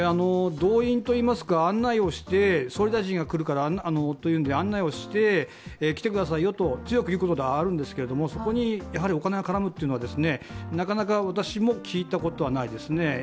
動員といいますか総理大臣が来るからというので案内をして、来てくださいよと強く言うことであるんですがそこにお金が絡むというのは、なかなか私も聞いたことがないですね。